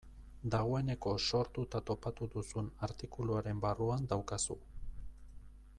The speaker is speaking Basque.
Dagoeneko sortuta topatu duzun artikuluaren barruan daukazu.